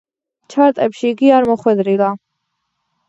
ჩარტებში იგი არ მოხვედრილა.